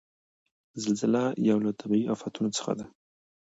زلزله یو له طبعیي آفتونو څخه ده.